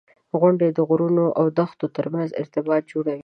• غونډۍ د غرونو او دښتو ترمنځ ارتباط جوړوي.